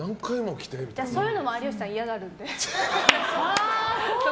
そういうのも有吉さん嫌がるんで。